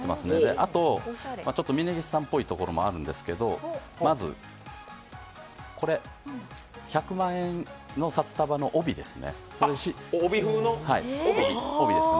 あと、峯岸さんっぽいところもあるんですけど、まずこれ、１００万円の札束の帯ですね。